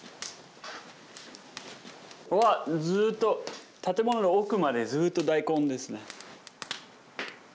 うわっずっと建物の奥までずっと大根ですね。